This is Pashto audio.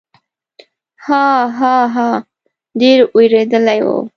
ها، ها، ها، ډېر وېرېدلی و.